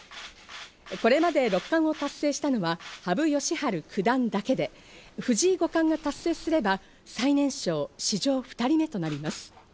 これまで六冠を達成したのは羽生善治九段だけで、藤井五冠が達成すれば最年少、史上２人目となります。